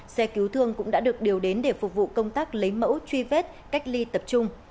xe cứu thương cũng đã được điều đến để phục vụ công tác lấy mẫu truy vết cách ly tập trung